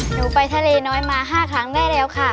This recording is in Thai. หนูไปทะเลน้อยมา๕ครั้งได้แล้วค่ะ